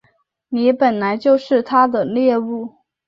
你本来就是他的猎物